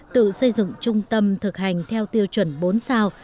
tự xây dựng trung tâm thực hành theo tiêu chuẩn bốn sao